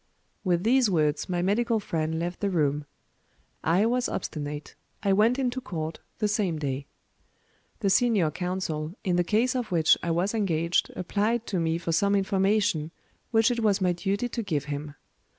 With these words my medical friend left the room. I was obstinate: I went into court the same day. The senior counsel in the case on which I was engaged applied to me for some information which it was my duty to give him.